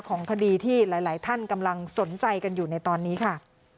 ของคดีที่หลายท่านกำลังสนใจกันอยู่ในตอนนี้ค่ะ